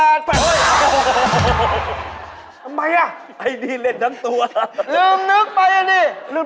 อาจารย์มาเป็นมนุษย์เหมือนเดิม